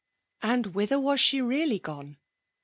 And whither was she really gone?